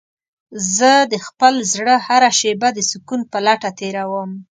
زه د خپل زړه هره شېبه د سکون په لټه تېرووم.